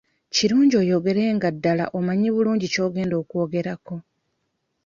Kirungi oyogere nga ddala omanyi bulungi ky'ogenda okwogerako.